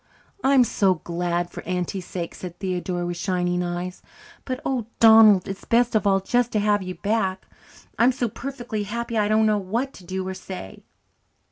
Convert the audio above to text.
"I'm so glad for Auntie's sake," said Theodora, with shining eyes. "But, oh, Donald, it's best of all just to have you back. I'm so perfectly happy that I don't know what to do or say."